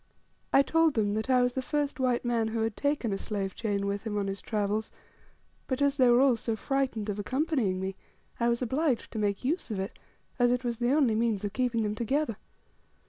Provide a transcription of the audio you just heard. I told them that I was the first white man who had taken a slave chain with him on his travels; but, as they were all so frightened of accompanying me, I was obliged to make use of it, as it was the only means of keeping them together.